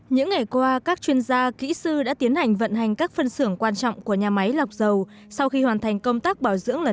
những ngày qua các chuyên gia kỹ sư đã tiến hành vận hành các phân xưởng quan trọng của nhà máy lọc dầu sau khi hoàn thành công tác bảo dưỡng lẩn